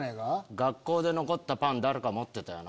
学校で残ったパン持ってたよな？